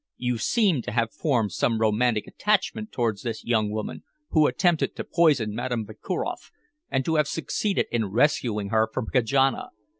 "You seem to have formed some romantic attachment towards this young woman who attempted to poison Madame Vakuroff, and to have succeeded in rescuing her from Kajana.